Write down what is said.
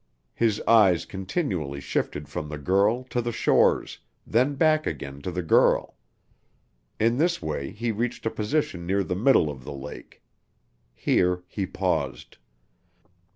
His eyes continually shifted from the girl to the shores, then back again to the girl. In this way he reached a position near the middle of the lake. Here he paused.